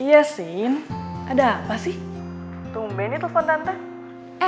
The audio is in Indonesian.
iya sin ada apa sih tumbe ini telfon tante